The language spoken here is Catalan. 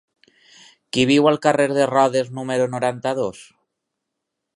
Qui viu al carrer de Rodes número noranta-dos?